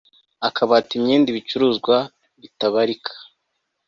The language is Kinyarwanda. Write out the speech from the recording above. akabati, imyenda, ibicuruzwa bitabarika